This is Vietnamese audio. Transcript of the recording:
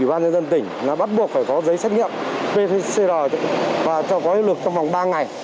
ủy ban dân tỉnh nó bắt buộc phải có giấy xét nghiệm pcr và cho có hiệu lực trong vòng ba ngày